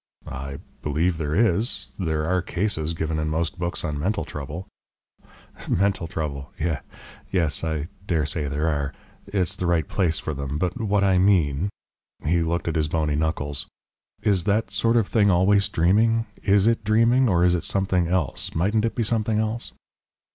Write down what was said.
"I believe there is. There are cases given in most books on mental trouble." "Mental trouble! Yes. I dare say there are. It's the right place for them. But what I mean " He looked at his bony knuckles. "Is that sort of thing always dreaming? IS it dreaming? Or is it something else? Mightn't it be something else?"